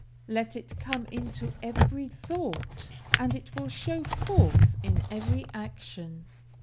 Let it come into every thought, and it will show forth in every action.